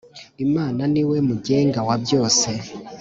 Imana niwe mugenga wabyose.